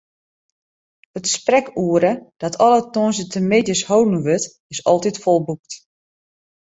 It sprekoere, dat alle tongersdeitemiddeis holden wurdt, is altyd folboekt.